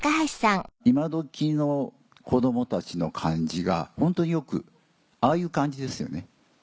今どきの子供たちの感じがホントによくああいう感じですよね。